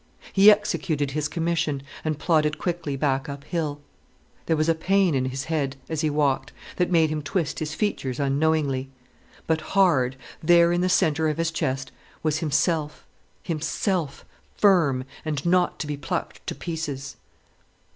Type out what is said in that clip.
He executed his commission, and plodded quickly back uphill. There was a pain in his head, as he walked, that made him twist his features unknowingly. But hard there in the centre of his chest was himself, himself, firm, and not to be plucked to pieces.